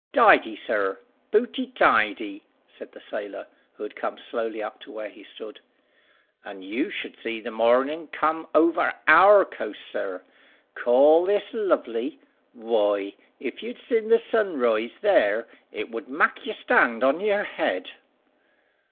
"Tidy, sir, pooty tidy," said the sailor, who had come slowly up to where he stood. "And you should see the morning come over our coast, sir. Call this lovely? Why, if you'd sin the sun rise there, it would mak' you stand on your head."